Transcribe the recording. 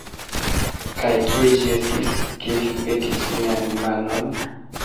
Kaj kie ĝi estis, ke vi petis mian manon?